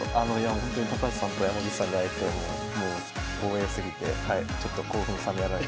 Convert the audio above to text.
ほんとに高橋さんと山口さんに会えてもう光栄すぎてちょっと興奮冷めやらぬ。